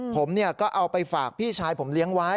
ผมก็เอาไปฝากพี่ชายผมเลี้ยงไว้